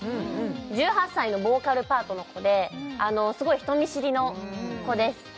１８歳のボーカルパートの子ですごい人見知りの子です